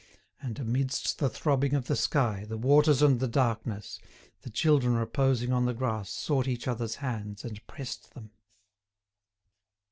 And, amidst the throbbing of the sky, the waters and the darkness, the children reposing on the grass sought each other's hands and pressed them.